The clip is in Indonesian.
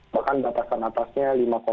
bahkan batasan atasnya